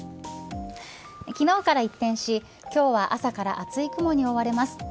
昨日から一転し今日は朝から厚い雲に覆われます。